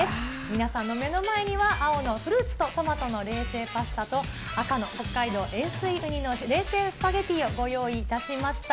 皆さんの目の前には、青のフルーツとトマトの冷製パスタと、赤の北海道塩水ウニの冷製スパゲティをご用意いたしました。